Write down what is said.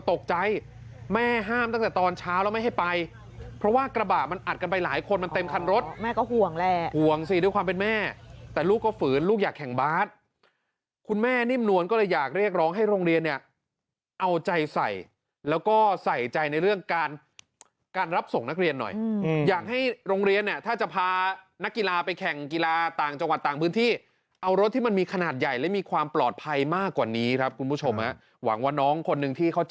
ตกใจแม่ห้ามตั้งแต่ตอนเช้าแล้วไม่ให้ไปเพราะว่ากระบะมันอัดกันไปหลายคนมันเต็มคันรถแม่ก็ห่วงแหละห่วงสิด้วยความเป็นแม่แต่ลูกก็ฝืนลูกอยากแข่งบาสคุณแม่นิ่มนวลก็อยากเรียกร้องให้โรงเรียนเนี่ยเอาใจใส่แล้วก็ใส่ใจในเรื่องการการรับส่งนักเรียนหน่อยอยากให้โรงเรียนเนี่ยถ้าจะพานักกี